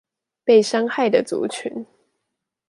被傷害的族群